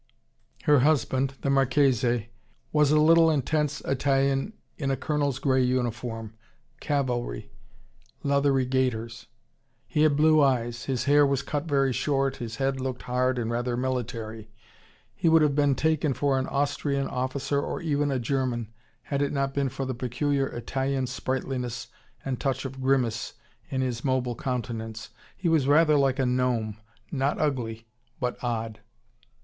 Her husband, the Marchese, was a little intense Italian in a colonel's grey uniform, cavalry, leather gaiters. He had blue eyes, his hair was cut very short, his head looked hard and rather military: he would have been taken for an Austrian officer, or even a German, had it not been for the peculiar Italian sprightliness and touch of grimace in his mobile countenance. He was rather like a gnome not ugly, but odd.